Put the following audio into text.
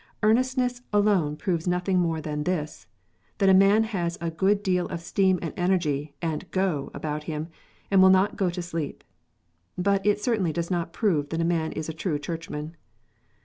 Earnestness alone proves nothing more than this, that a man has a good deal of steam and energy and " go " about him, and will not go to sleep. But it certainly does not prove that a man is a "true Churchman."